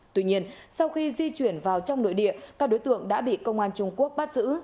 tuy nhiên sau khi di chuyển vào trong nội địa các đối tượng đã bị công an trung quốc bắt giữ